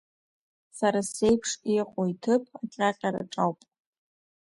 Сара сеиԥш иҟоу иҭыԥ аҟьаҟьараҿ ауп.